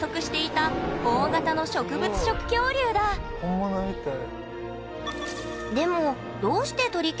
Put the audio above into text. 本物みたい。